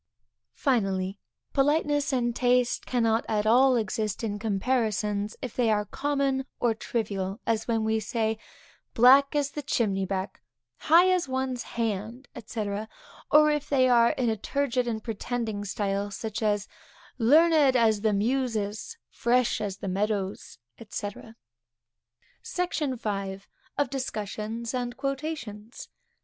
Finally, politeness and taste cannot at all exist in comparisons, if they are common or trivial, as when we say, black as the chimney back, high as one's hand, &c. or, if they are in a turgid and pretending style, such as, learned as the Muses, fresh as the meadows, &c. SECTION V. _Of Discussions and Quotations.